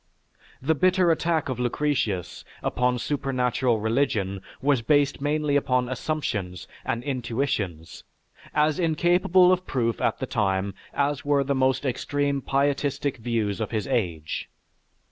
The bitter attack of Lucretius upon supernatural religion was based mainly upon assumptions and intuitions, as incapable of proof at the time as were the most extreme pietistic views of his age.